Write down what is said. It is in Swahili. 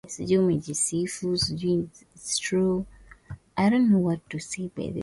Safari yake ilikuwa na lengo la kuchunguza chanzo cha mto Naili